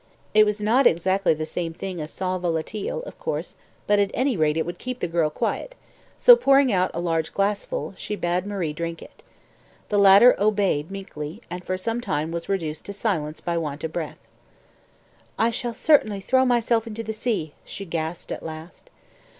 It was not exactly the same thing as sal volatile, of course, but at any rate it would keep the girl quiet, so, pouring out a large glassful, she bade Marie drink it. The latter obeyed meekly, and for some time was reduced to silence by want of breath. "I shall certainly throw myself into the sea," she gasped at last.